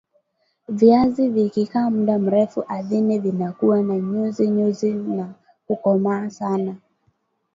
viazi vikikaa mda mrefu ardhini vinakua na nyuzi nyuzi na kukomaa sana